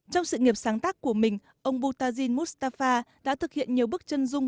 trong sự nghiệp sáng tác của mình ông bhutajin mustafa đã thực hiện nhiều bức chân dung